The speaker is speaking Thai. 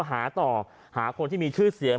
หาต่อหาคนที่มีชื่อเสียง